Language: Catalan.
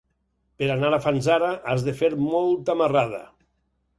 Per anar a Fanzara has de fer molta marrada.